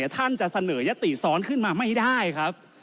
ท่านจะเสนอยติซ้อนขึ้นมาไม่ได้ครับ